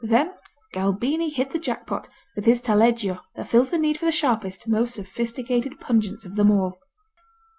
Then Galbini hit the jackpot with his Taleggio that fills the need for the sharpest, most sophisticated pungence of them all.